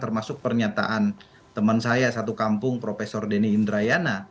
termasuk pernyataan teman saya satu kampung prof denny indrayana